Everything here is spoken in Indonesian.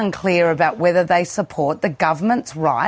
selama beberapa minggu sekarang